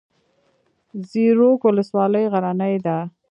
زیروک ولسوالۍ غرنۍ ده؟